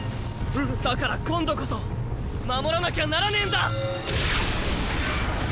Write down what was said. だから今度こそ守らなきゃならねぇんだ！